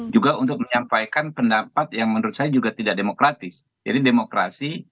juga untuk menyampaikan pendapat yang menurut saya juga tidak demokratis jadi demokrasi